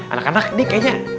anak anak ini kayaknya